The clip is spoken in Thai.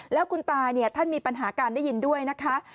แล้วคุณตาท่านมีปัญหาการได้ยินด้วยนะคะ